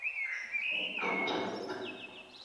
تر څو دا تصميم ونيسي، چي ښه ژوند سره کولای سي، که يه؟